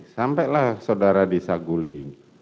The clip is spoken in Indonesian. sampailah saudara di saguling